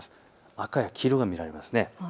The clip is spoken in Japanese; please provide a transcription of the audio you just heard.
赤や黄色が見られますね。